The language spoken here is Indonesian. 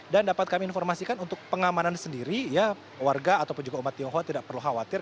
dan dapat kami informasikan untuk pengamanan sendiri ya warga ataupun juga umat tionghoa tidak perlu khawatir